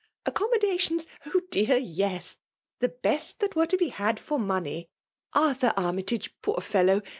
'Accommodations ? Oh, dear ! yes ! The best that were to be had fior money. ArAur Armytage (poor fellow